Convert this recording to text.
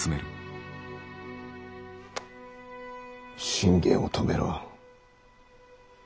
信玄を止めろ。